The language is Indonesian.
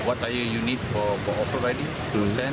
apa yang perlu untuk berlatih sen